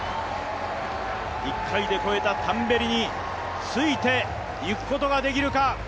１回で越えたタンベリについていくことができるか。